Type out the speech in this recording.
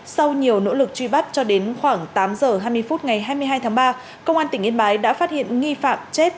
sau nhiều nỗ lực truy bắt cho đến khoảng tám h hai mươi phút ngày hai mươi hai tháng ba công an tỉnh yên bái đã phát hiện nghi phạm chết